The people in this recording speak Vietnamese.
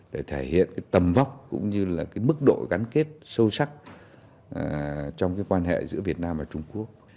để thể hiện tầm vóc cũng như mức độ gắn kết sâu sắc trong quan hệ giữa việt nam và trung quốc